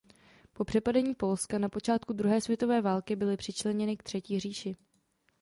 Po přepadení Polska na počátku druhé světové války byly přičleněny k Třetí říši.